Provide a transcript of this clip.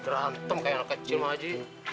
rantem kayak yang kecil bang haji